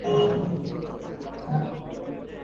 আমার ধারণা এই হত্যাকাণ্ডের নায়িকা তাঁর কন্যা মিয়া গান।